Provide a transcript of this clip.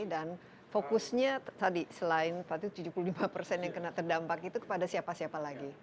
dan fokusnya tadi selain tujuh puluh lima persen yang terdampak itu kepada siapa siapa lagi